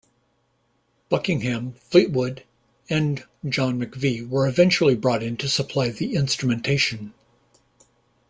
Buckingham, Fleetwood, and John McVie were eventually brought in to supply the instrumentation.